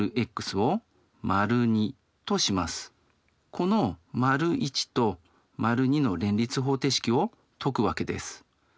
この①と②の連立方程式を解くわけです。